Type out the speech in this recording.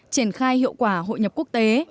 triển khai hiệu quả hội nhập quốc tế